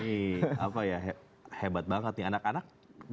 ini apa ya hebat banget nih anak anak